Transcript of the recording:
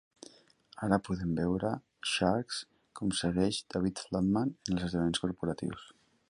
Ara podem veure Shanks com segueix David Flatman en els esdeveniments corporatius.